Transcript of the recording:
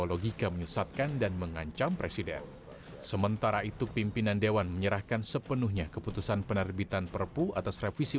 oke jangan bosan karena memang masih belum selesai